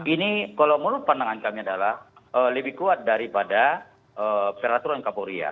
ini kalau menurut pandangan kami adalah lebih kuat daripada peraturan kapolri ya